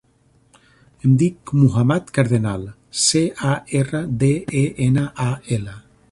Em dic Muhammad Cardenal: ce, a, erra, de, e, ena, a, ela.